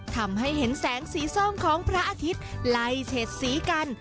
ทำให้เห็นแสงสีส้มของพระอาทิตย์ไล่เฉดสีกัน